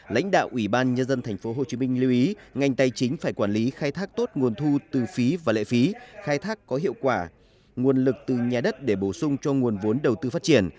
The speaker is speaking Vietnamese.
lãnh đạo ủy ban nhân dân tp hcm lưu ý ngành tài chính phải quản lý khai thác tốt nguồn thu từ phí và lệ phí khai thác có hiệu quả nguồn lực từ nhà đất để bổ sung cho nguồn vốn đầu tư phát triển